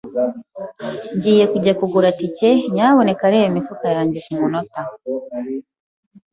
Ngiye kujya kugura itike, nyamuneka reba imifuka yanjye kumunota.